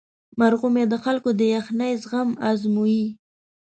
مرغومی د خلکو د یخنۍ زغم ازمويي.